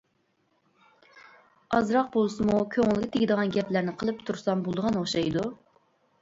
ئازراق بولسىمۇ كۆڭۈلگە تېگىدىغان گەپلەرنى قىلىپ تۇرسام بولىدىغان ئوخشايدۇ.